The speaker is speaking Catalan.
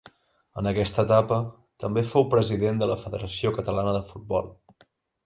En aquesta etapa també fou president de la Federació Catalana de Futbol.